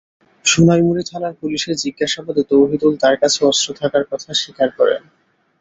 সোনাইমুড়ী থানার পুলিশের জিজ্ঞাসাবাদে তৌহিদুল তাঁর কাছে অস্ত্র থাকার কথা স্বীকার করেন।